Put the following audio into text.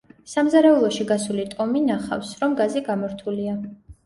სამზარეულოში გასული ტომი ნახავს, რომ გაზი გამორთულია.